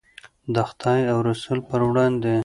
د خدای او رسول په وړاندې.